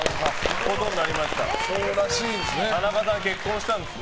田中さん、結婚したんですね。